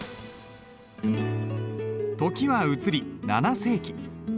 時は移り７世紀。